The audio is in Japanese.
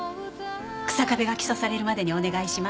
日下部が起訴されるまでにお願いします。